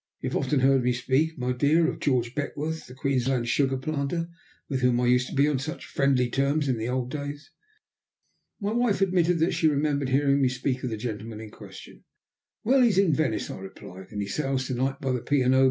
You have often heard me speak, my dear, of George Beckworth, the Queensland sugar planter, with whom I used to be on such friendly terms in the old days?" My wife admitted that she remembered hearing me speak of the gentleman in question. "Well, he is in Venice," I replied, "and he sails to night by the P. and O.